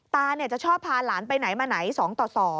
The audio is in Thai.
ตาจะชอบพาหลานไปไหนมาไหน๒ต่อ๒